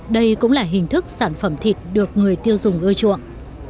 đây cũng là hình thức sản phẩm thịt được người tiêu dùng ưa chuộng